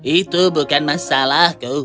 itu bukan masalahku